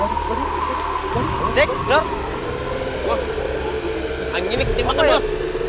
anginnya kenceng banget